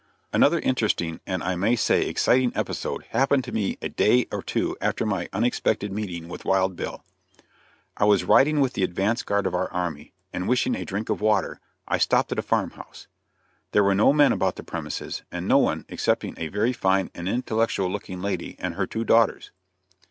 Another interesting and I may say exciting episode happened to me a day or two after my unexpected meeting with Wild Bill. I was riding with the advance guard of our army, and wishing a drink of water, I stopped at a farmhouse. There were no men about the premises, and no one excepting a very fine and intellectual looking lady and her two daughters.